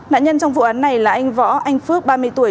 nạn nhân trong vụ án này là anh võ anh phước ba mươi tuổi